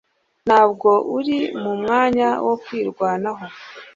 Ntabwo uri mu mwanya wo kwirwanaho.